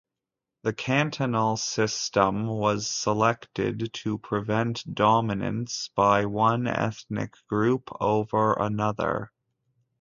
The cantonal system was selected to prevent dominance by one ethnic group over another.